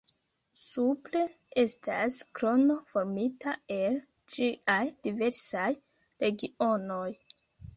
Supre estas krono formita el ĝiaj diversaj regionoj.